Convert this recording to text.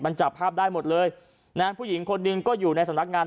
มันจับภาพได้หมดเลยนะฮะผู้หญิงคนหนึ่งก็อยู่ในสำนักงาน